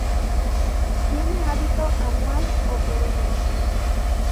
Tiene hábito anual o perenne.